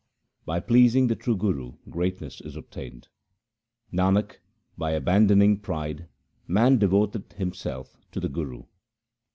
By pleasing the True Guru greatness is obtained. Nanak, by abandoning pride man devoteth himself to the Guru.